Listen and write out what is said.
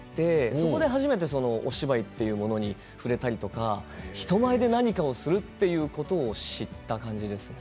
そこで初めてお芝居というものに触れたりとか人前で何かをするということを知った感じですね。